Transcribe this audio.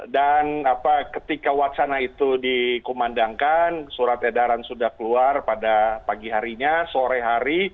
dan ketika wacana itu dikumandangkan surat edaran sudah keluar pada pagi harinya sore hari